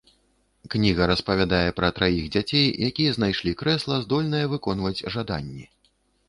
Кніга распавядае пра траіх дзяцей, якія знайшлі крэсла, здольнае выконваць жаданні.